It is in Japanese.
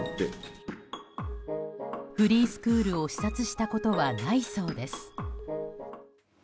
フリースクールを視察したことはないそうです。